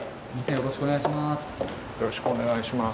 よろしくお願いします。